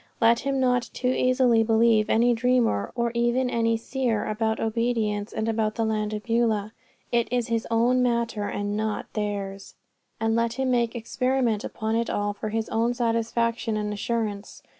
Let him not too easily believe any dreamer or even any seer about obedience and about the land of Beulah. It is his own matter and not theirs; and let him make experiment upon it all for his own satisfaction and assurance.